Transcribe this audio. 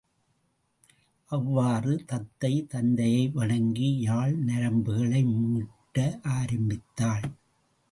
அவ்வாறே தத்தை தந்தையை வணங்கி யாழ் நரம்புகளை மீட்ட ஆரம்பித்தாள்.